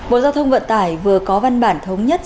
bộ giao thông vận tải vừa có văn bản thống nhất